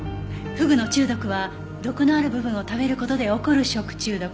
フグの中毒は毒のある部分を食べる事で起こる食中毒。